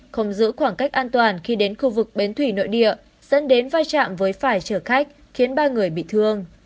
không giữ khoảng cách an toàn khi đến khu vực bến thủy nội địa dẫn đến vai trạm với phải chở khách khiến ba người bị thương